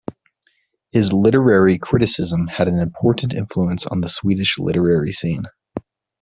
His literary criticism had an important influence on the Swedish literary scene.